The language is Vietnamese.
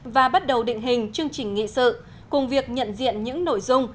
và bắt đầu định hình chương trình nghị sự cùng việc nhận diện những nội dung